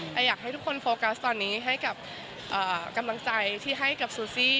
แต่อยากให้ทุกคนโฟกัสตอนนี้ให้กับกำลังใจที่ให้กับซูซี่